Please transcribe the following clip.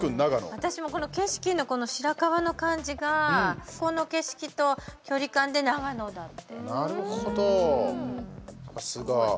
私も、この景色のしらかばの感じがここの景色と距離感で長野だって。